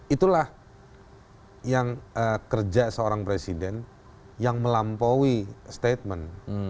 itulah yang kerja seorang presiden yang melampaui statement